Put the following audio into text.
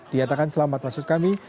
dinyatakan selamat masuk kami